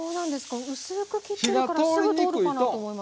薄く切ってるからすぐ通るかなと思いますけど。